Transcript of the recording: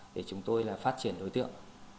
để chúng tôi là phát triển đối tượng